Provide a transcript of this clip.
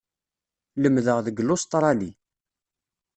Lemdeɣ deg Lustṛali.